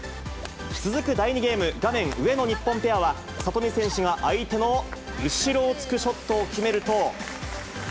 続く第２ゲーム、画面上の日本ペアは里見選手が相手の後ろをつくショットを決めると。